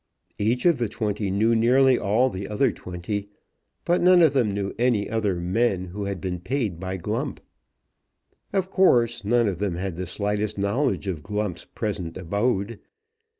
Each of the twenty knew nearly all the other twenty, but none of them knew any other men who had been paid by Glump. Of course none of them had the slightest knowledge of Glump's present abode.